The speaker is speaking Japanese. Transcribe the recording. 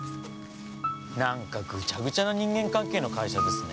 何かぐちゃぐちゃな人間関係の会社ですね。